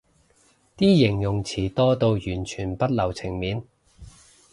啲形容詞多到完全不留情面